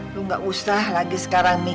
lu gak usah lagi sekarang nih